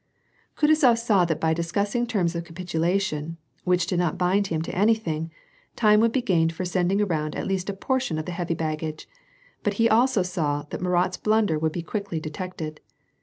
Kutuzof saw that by discussing terms of capitulation, which did not bind him to anything, time would be gained for sending around at least a portion of the heavy baggage, but he also saw t!iat Murat's blunder would be quickly detected.